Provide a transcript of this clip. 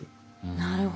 なるほど。